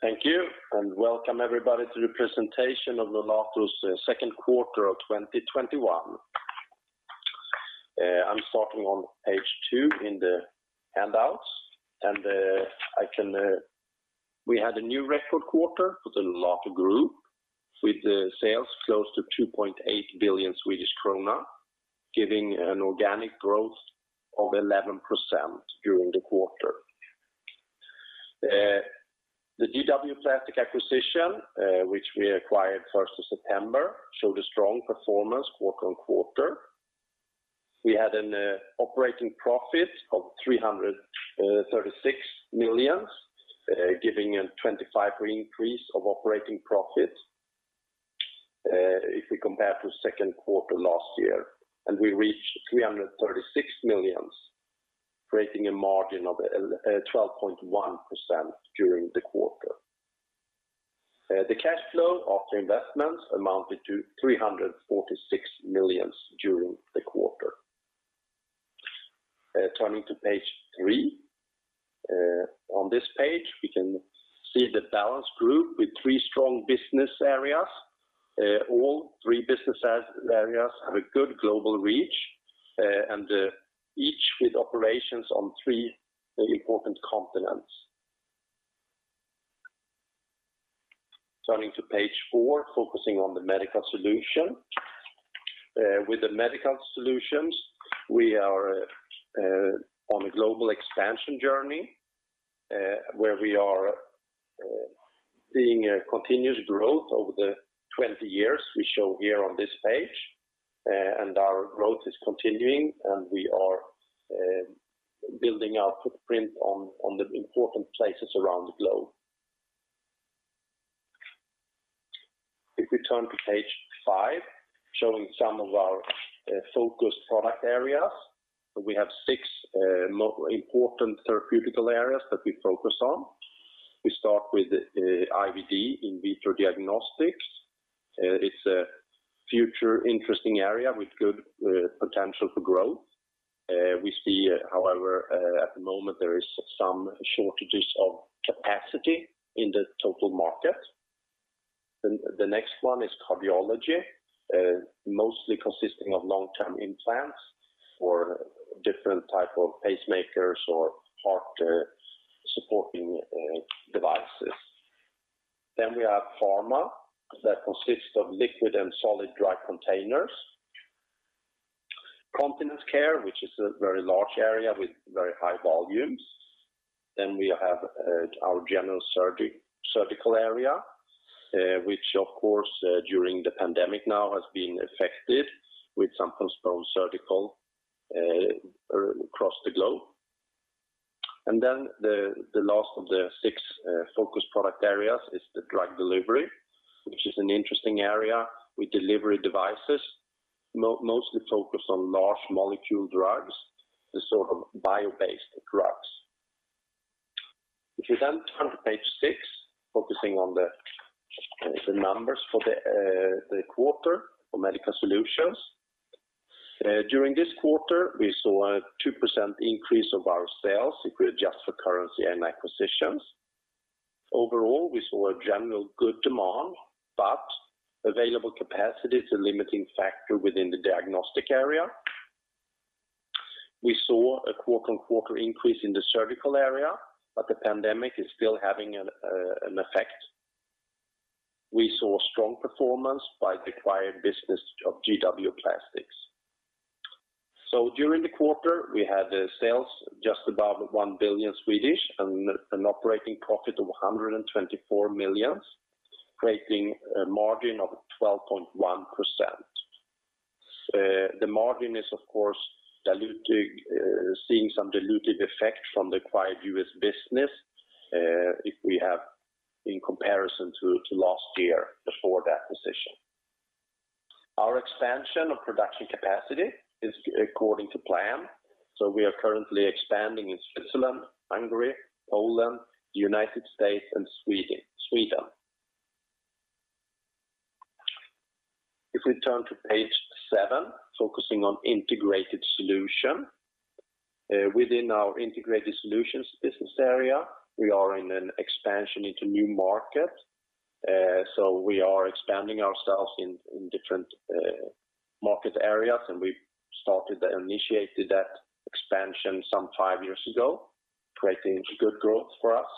Thank you, welcome everybody to the presentation of the Nolato's second quarter of 2021. I'm starting on page two in the handouts. We had a new record quarter for the Nolato group, with the sales close to 2.8 billion Swedish krona, giving an organic growth of 11% during the quarter. The GW Plastics acquisition, which we acquired 1st of September, showed a strong performance quarter on quarter. We had an operating profit of 336 million, giving a 25% increase of operating profit, if we compare to second quarter last year. We reached 336 million, creating a margin of 12.1% during the quarter. The cash flow after investments amounted to 346 million during the quarter. Turning to page three. On this page, we can see the balanced group with three strong business areas. All three business areas have a good global reach, and each with operations on three important continents. Turning to page four, focusing on the Medical Solutions. With the Medical Solutions, we are on a global expansion journey, where we are seeing a continuous growth over the 20 years we show here on this page, and our growth is continuing, and we are building our footprint on the important places around the globe. If we turn to page five, showing some of our focused product areas. We have six important therapeutical areas that we focus on. We start with IVD, in vitro diagnostics. It's a future interesting area with good potential for growth. We see, however, at the moment, there is some shortages of capacity in the total market. The next one is cardiology, mostly consisting of long-term implants for different type of pacemakers or heart supporting devices. We have pharma, that consists of liquid and solid drug containers. Continence care, which is a very large area with very high volumes. We have our general surgical area, which, of course, during the pandemic now has been affected with some postponed surgical across the globe. The last of the six focused product areas is the drug delivery, which is an interesting area with delivery devices, mostly focused on large molecule drugs, the sort of bio-based drugs. If you turn to page six, focusing on the numbers for the quarter for Medical Solutions. During this quarter, we saw a 2% increase of our sales if we adjust for currency and acquisitions. Overall, we saw a general good demand, but available capacity is a limiting factor within the diagnostic area. We saw a quarter-on-quarter increase in the surgical area, the pandemic is still having an effect. We saw strong performance by the acquired business of GW Plastics. During the quarter, we had sales just above 1 billion, and an operating profit of 124 million, creating a margin of 12.1%. The margin is, of course, seeing some diluted effect from the acquired U.S. business, if we have in comparison to last year before the acquisition. Our expansion of production capacity is according to plan. We are currently expanding in Switzerland, Hungary, Poland, United States, and Sweden. If we turn to page seven, focusing on Integrated Solutions. Within our Integrated Solutions business area, we are in an expansion into new markets. We are expanding ourselves in different market areas, and we initiated that expansion some five years ago, creating good growth for us.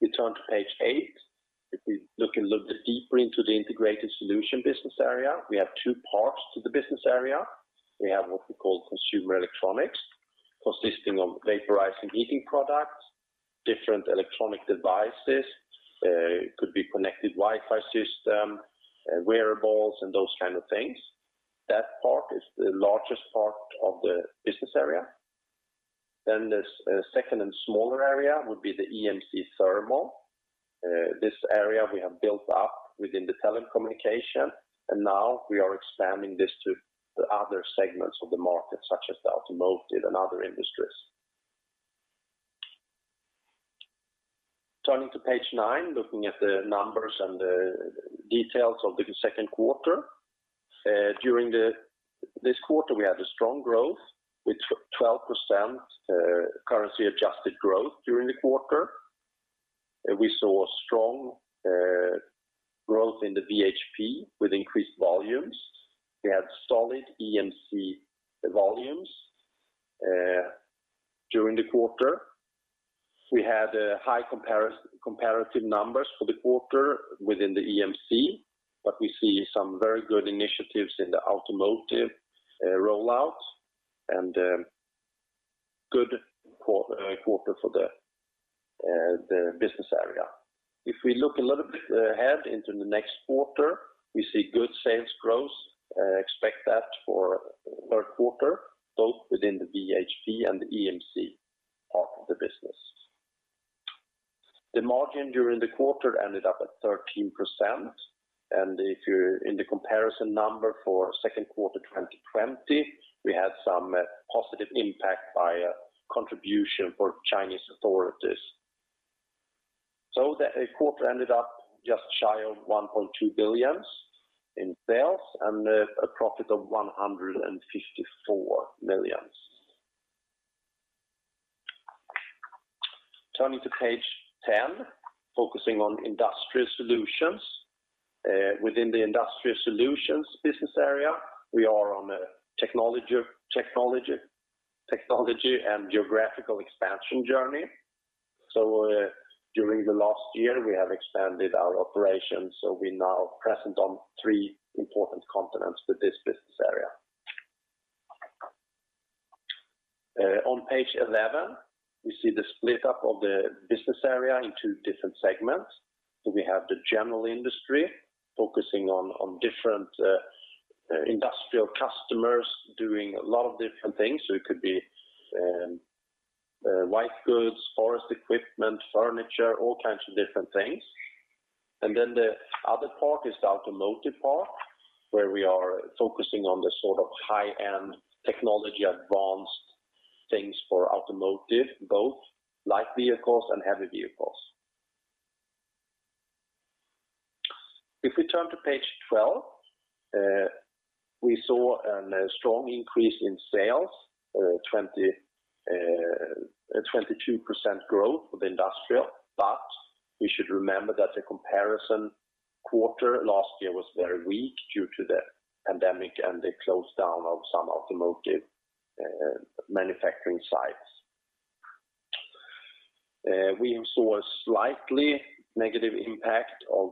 We turn to page eight. If we look a little bit deeper into the Integrated Solutions business area, we have two parts to the business area. We have what we call consumer electronics, consisting of vaporizing heating products, different electronic devices, could be connected Wi-Fi system, wearables, and those kinds of things. That part is the largest part of the business area. This second and smaller area would be the EMC & Thermal. This area we have built up within the telecommunication, and now we are expanding this to the other segments of the market, such as the automotive and other industries. Turning to page nine, looking at the numbers and the details of the second quarter. During this quarter, we had a strong growth with 12% currency-adjusted growth during the quarter. We saw strong growth in the VHP with increased volumes. We had solid EMC volumes during the quarter. We had high comparative numbers for the quarter within the EMC, but we see some very good initiatives in the automotive rollouts, and good quarter for the business area. If we look a little bit ahead into the next quarter, we see good sales growth, expect that for third quarter, both within the VHP and the EMC part of the business. The margin during the quarter ended up at 13%. If you're in the comparison number for second quarter 2020, we had some positive impact by a contribution for Chinese authorities. The quarter ended up just shy of 1.2 billion in sales and a profit of 154 million. Turning to page 10, focusing on Industrial Solutions. Within the Industrial Solutions business area, we are on a technology and geographical expansion journey. During the last year, we have expanded our operations. We're now present on three important continents with this business area. On page 11, we see the split up of the business area in two different segments. We have the general industry focusing on different industrial customers doing a lot of different things. It could be white goods, forest equipment, furniture, all kinds of different things. The other part is the automotive part, where we are focusing on the sort of high-end technology advanced things for automotive, both light vehicles and heavy vehicles. If we turn to page 12, we saw a strong increase in sales, a 22% growth for the industrial, but we should remember that the comparison quarter last year was very weak due to the pandemic and the close down of some automotive manufacturing sites. We saw a slightly negative impact of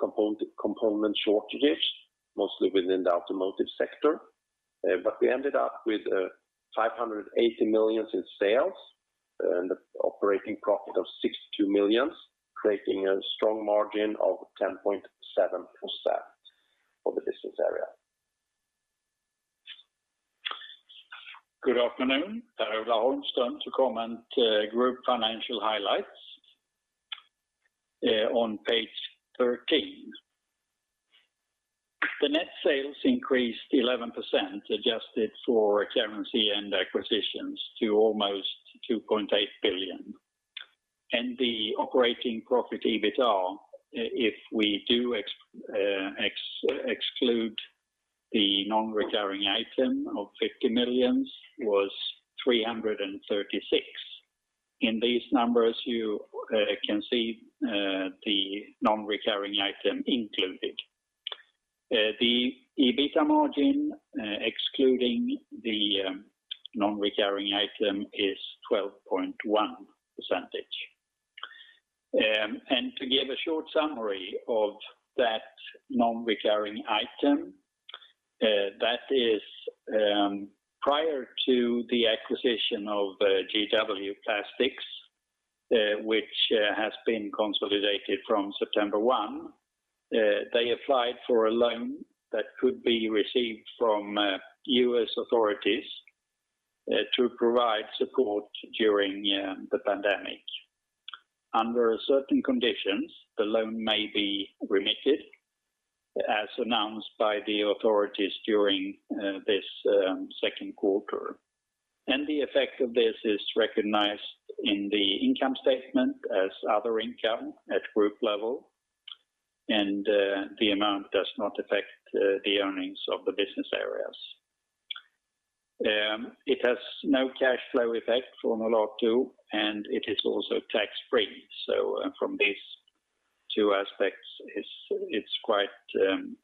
component shortages, mostly within the automotive sector. We ended up with 580 million in sales and the operating profit of 62 million, creating a strong margin of 10.7% for the business area. Good afternoon. Per-Ola Holmström to comment group financial highlights on page 13. The net sales increased 11%, adjusted for currency and acquisitions to almost 2.8 billion. The operating profit, EBITDA, if we do exclude the non-recurring item of 50 million, was 336. In these numbers, you can see the non-recurring item included. The EBITDA margin, excluding the non-recurring item, is 12.1%. To give a short summary of that non-recurring item, that is prior to the acquisition of GW Plastics, which has been consolidated from September 1. They applied for a loan that could be received from U.S. authorities to provide support during the pandemic. Under certain conditions, the loan may be remitted, as announced by the authorities during this second quarter. The effect of this is recognized in the income statement as other income at group level, and the amount does not affect the earnings of the business areas. It has no cash flow effect for Nolato, and it is also tax-free. From these two aspects, it's quite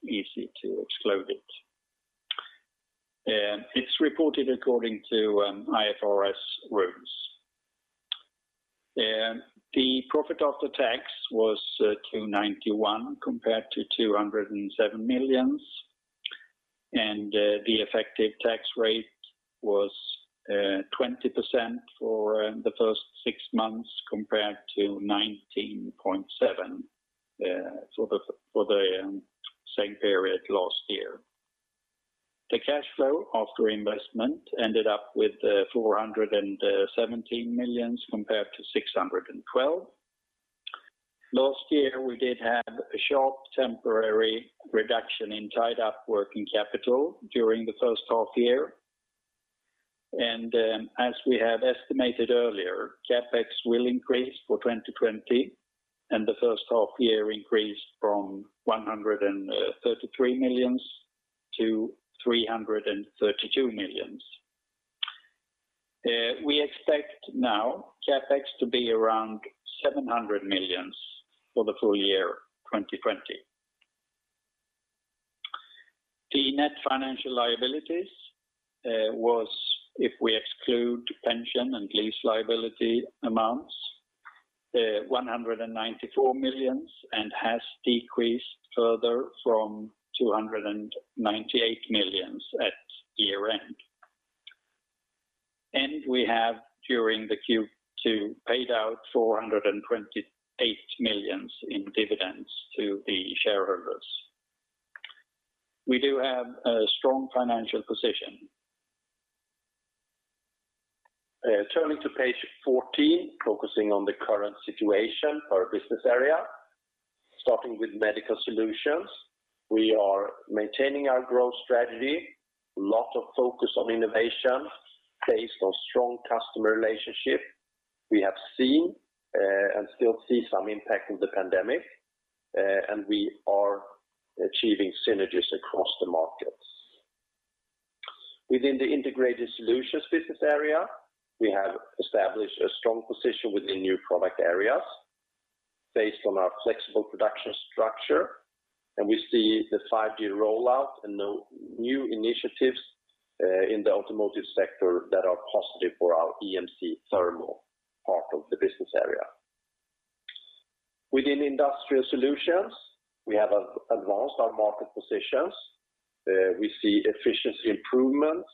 easy to exclude it. It's reported according to IFRS rules. The profit after tax was 291 million compared to 207 million, and the effective tax rate was 20% for the first six months compared to 19.7% for the same period last year. The cash flow after investment ended up with 417 million compared to 612 million. Last year, we did have a short temporary reduction in tied-up working capital during the first half year. As we have estimated earlier, CapEx will increase for 2020, and the first half year increase from 133 million to 332 million. We expect now CapEx to be around 700 million for the full year 2020. The net financial liabilities was, if we exclude pension and lease liability amounts, 194 million, and has decreased further from 298 million at year-end. We have, during the Q2, paid out 428 million in dividends to the shareholders. We do have a strong financial position. Turning to page 14, focusing on the current situation for our business area, starting with Medical Solutions. We are maintaining our growth strategy, a lot of focus on innovation based on strong customer relationship. We have seen, and still see some impact of the pandemic, and we are achieving synergies across the markets. Within the Integrated Solutions business area, we have established a strong position within new product areas based on our flexible production structure. We see the five-year rollout and the new initiatives in the automotive sector that are positive for our EMC & Thermal part of the business area. Within Industrial Solutions, we have advanced our market positions. We see efficiency improvements.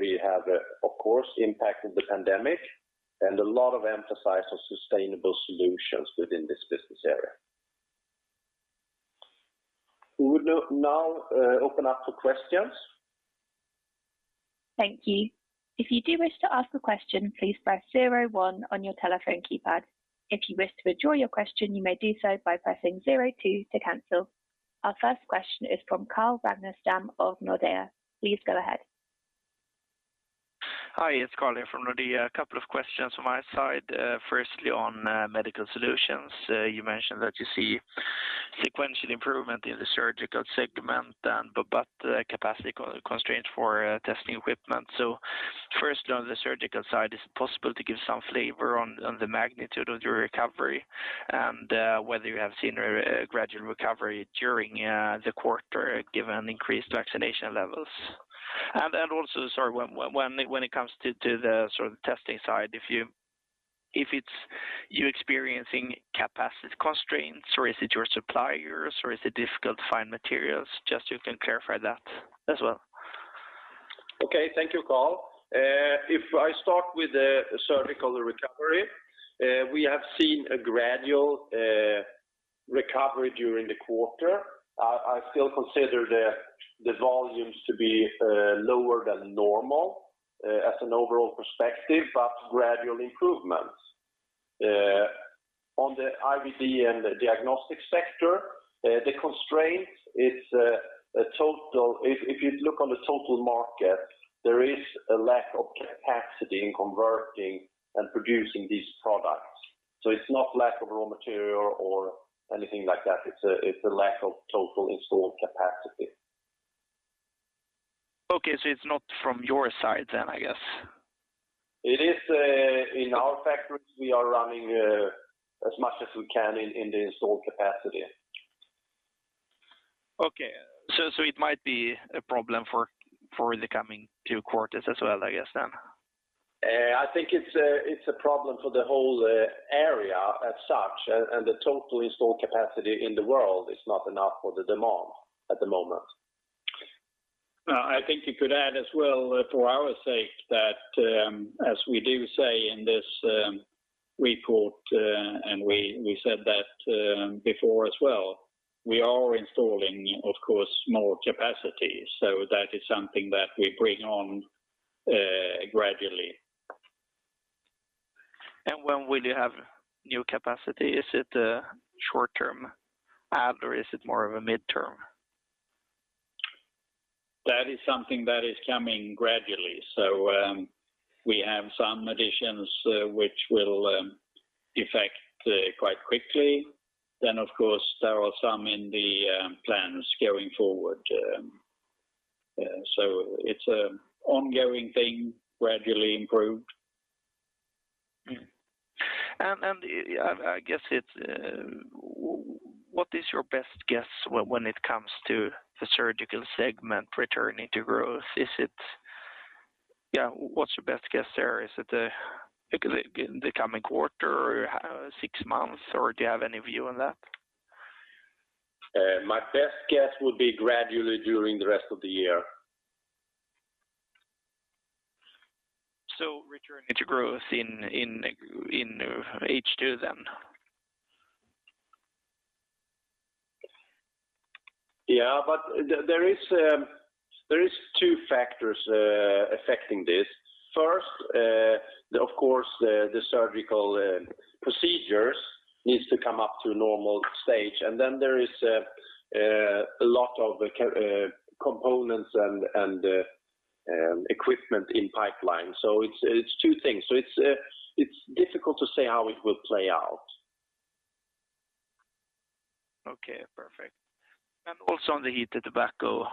We have, of course, impact of the pandemic. A lot of emphasis on sustainable solutions within this business area. We would now open up to questions. Thank you. If you do wish to ask a question, please press 01 on your telephone keypad. If you wish to withdraw your question, you may do so by pressing 02 to cancel. Our first question is from Carl Ragnerstam of Nordea. Please go ahead. Hi, it's Carl from Nordea. A couple of questions from my side. Firstly, on Medical Solutions, you mentioned that you see sequential improvement in the surgical segment and capacity constraints for testing equipment. First, on the surgical side, is it possible to give some flavor on the magnitude of your recovery and whether you have seen a gradual recovery during the quarter, given increased vaccination levels? Also, sorry, when it comes to the sort of testing side, if it's you experiencing capacity constraints or is it your suppliers, or is it difficult to find materials? Just you can clarify that as well. Okay. Thank you, Carl. I start with the surgical recovery, we have seen a gradual recovery during the quarter. I still consider the volumes to be lower than normal as an overall perspective, but gradual improvements. On the IVD and the diagnostic sector, the constraints is, if you look on the total market, there is a lack of capacity in converting and producing these products. It's not lack of raw material or anything like that, it's a lack of total installed capacity. Okay, it's not from your side then, I guess. It is. In our factories, we are running as much as we can in the installed capacity. Okay. It might be a problem for the coming two quarters as well, I guess then. I think it's a problem for the whole area as such, and the total installed capacity in the world is not enough for the demand at the moment. I think you could add as well for our sake that, as we do say in this report, and we said that before as well, we are installing, of course, more capacity. That is something that we bring on gradually. When will you have new capacity? Is it a short-term add or is it more of a mid-term? That is something that is coming gradually. We have some additions which will affect quite quickly. Of course, there are some in the plans going forward. It's an ongoing thing, gradually improved. I guess, what is your best guess when it comes to the surgical segment returning to growth? What's your best guess there? Is it in the coming quarter or six months, or do you have any view on that? My best guess would be gradually during the rest of the year. Returning to growth in H2, then? Yeah, there is two factors affecting this. First, of course, the surgical procedures need to come up to a normal stage. There is a lot of the components and equipment in pipeline. It's two things. It's difficult to say how it will play out. Okay, perfect. Also on the heated tobacco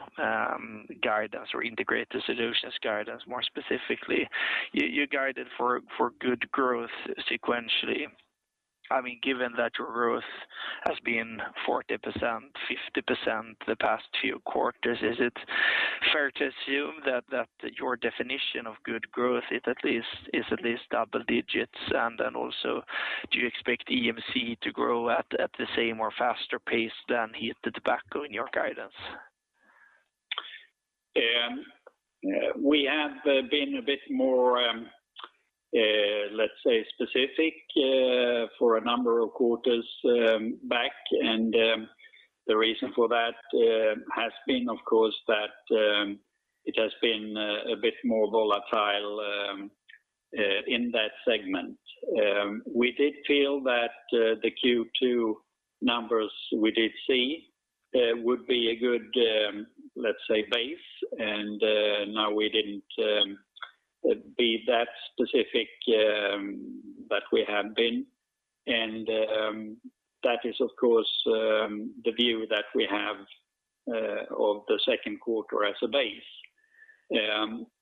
guidance or Integrated Solutions guidance, more specifically, you guided for good growth sequentially. Given that your growth has been 40%, 50% the past two quarters, is it fair to assume that your definition of good growth is at least double digits? Then also, do you expect EMC to grow at the same or faster pace than heated tobacco in your guidance? We have been a bit more, let's say, specific for a number of quarters back. The reason for that has been, of course, that it has been a bit more volatile in that segment. We did feel that the Q2 numbers we did see would be a good base, and now we didn't be that specific that we have been. That is, of course, the view that we have of the second quarter as a base.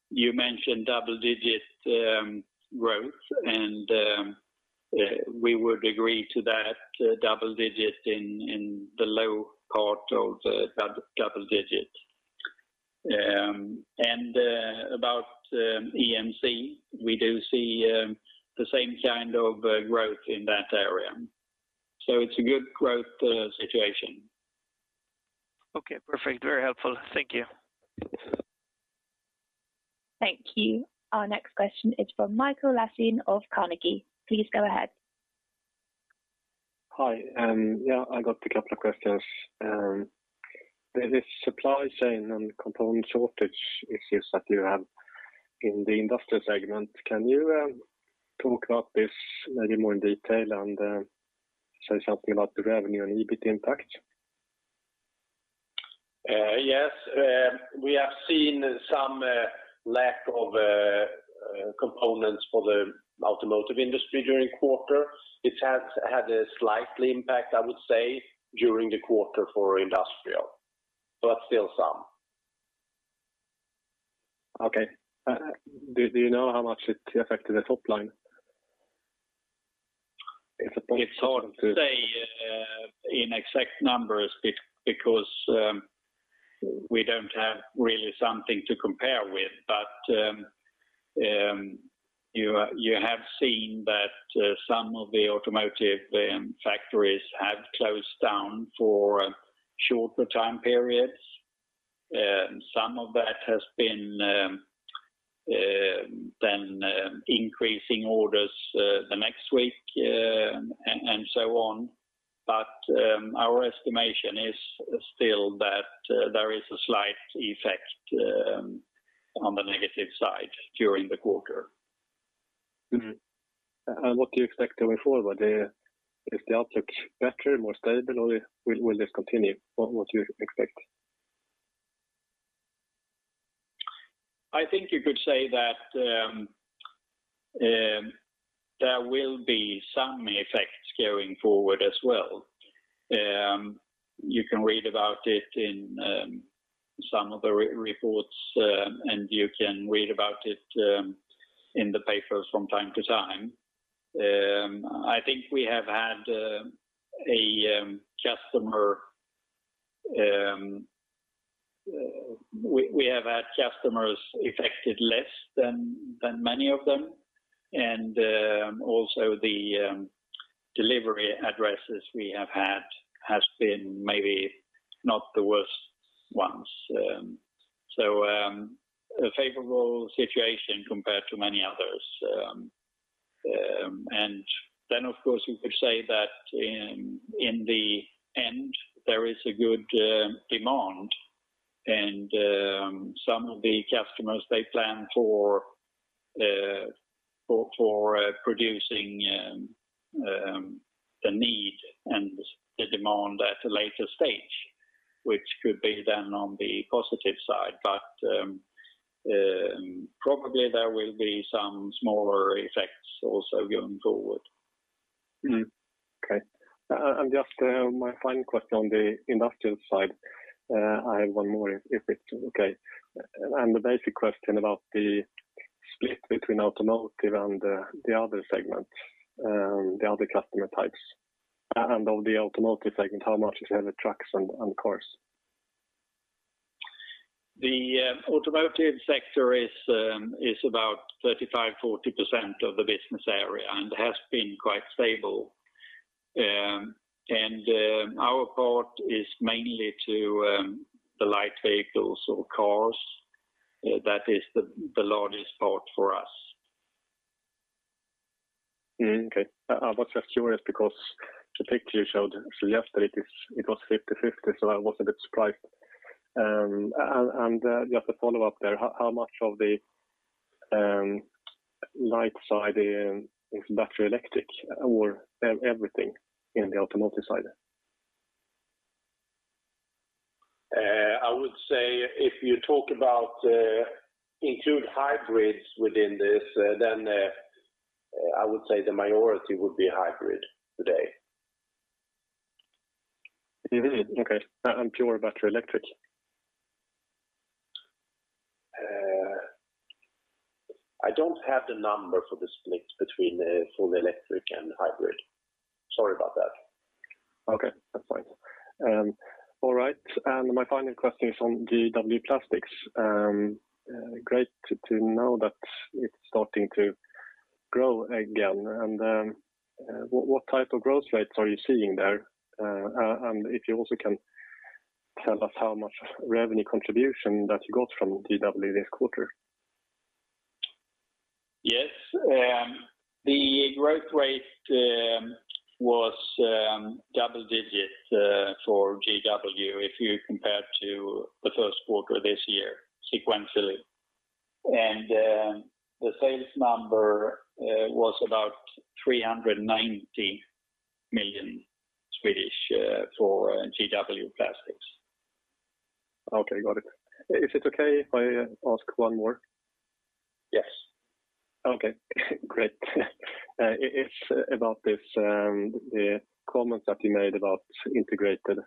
You mentioned double-digit growth, and we would agree to that, double digits in the low part of the double digits. About EMC, we do see the same kind of growth in that area. It's a good growth situation. Okay, perfect. Very helpful. Thank you. Thank you. Our next question is from Mikael Laséen of Carnegie. Please go ahead. Hi. I got a couple of questions. This supply chain and component shortage issues that you have in the industrial segment, can you talk about this maybe more in detail and say something about the revenue and EBIT impact? Yes. We have seen some lack of components for the automotive industry during the quarter. It has had a slight impact, I would say, during the quarter for Industrial, but still some. Okay. Do you know how much it affected the top line? It's hard to say in exact numbers because we don't have really something to compare with. You have seen that some of the automotive factories have closed down for shorter time periods. Some of that has been then increasing orders the next week, and so on. Our estimation is still that there is a slight effect on the negative side during the quarter. What do you expect going forward? Is the outlook better, more stable, or will this continue? What would you expect? I think you could say that there will be some effects going forward as well. You can read about it in some of the reports, and you can read about it in the papers from time to time. I think we have had customers affected less than many of them, and also the delivery addresses we have had has been maybe not the worst ones. A favorable situation compared to many others. Of course, you could say that in the end, there is a good demand, and some of the customers, they plan for producing the need and the demand at a later stage, which could be then on the positive side. Probably there will be some smaller effects also going forward. Okay. Just my final question on the industrial side, I have one more if it's okay. The basic question about the split between automotive and the other segments, the other customer types. On the automotive segment, how much is the trucks and cars? The automotive sector is about 35%, 40% of the business area and has been quite stable. Our part is mainly to the light vehicles or cars. That is the largest part for us. Okay. I was just curious because the picture showed yesterday it was 50/50, so I was a bit surprised. Just a follow-up there, how much of the light side is battery electric, or everything in the automotive side? I would say if you include hybrids within this, then I would say the majority would be hybrid today. Okay. Pure battery electric? I don't have the number for the split between the full electric and hybrid. Sorry about that. Okay, that's fine. All right, my final question is on GW Plastics. Great to know that it's starting to grow again. What type of growth rates are you seeing there? If you also can tell us how much revenue contribution that you got from GW this quarter? Yes. The growth rate was double digits for GW if you compare to the first quarter this year sequentially. The sales number was about 390 million for GW Plastics. Okay, got it. Is it okay if I ask one more? Yes. Okay, great. It's about this comment that you made about Integrated,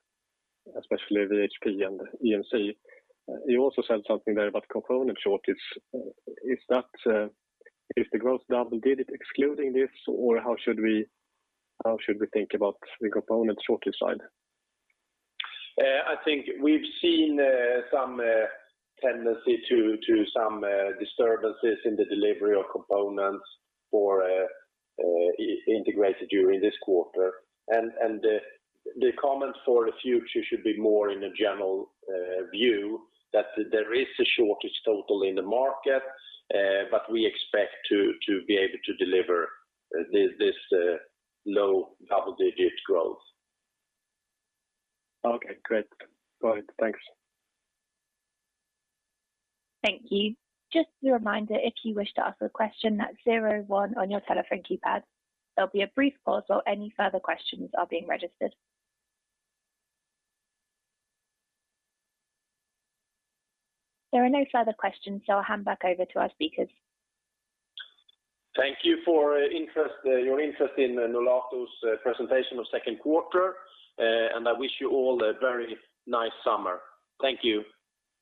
especially VHP and EMC. You also said something there about component shortage. Is the growth double digits excluding this, or how should we think about the component shortage side? I think we've seen some tendency to some disturbances in the delivery of components for Integrated during this quarter. The comment for the future should be more in a general view that there is a shortage total in the market. We expect to be able to deliver this low double-digit growth. Okay, great. Got it. Thanks. Thank you. Just a reminder, if you wish to ask a question, that's 01 on your telephone keypad. There'll be a brief pause while any further questions are being registered. There are no further questions. I'll hand back over to our speakers. Thank you for your interest in Nolato's presentation of second quarter. I wish you all a very nice summer. Thank you.